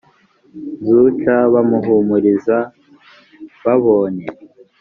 nzu c bamuhumuriza babonye